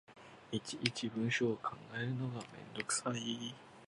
いちいち文章を考えるのがめんどくさい